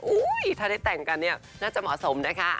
อุ๋ยถ้าได้แต่งกันน่าจะเหมาะสมนะคะ